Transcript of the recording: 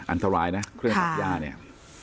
อันตรายนะเครื่องตัดย่าเนี่ย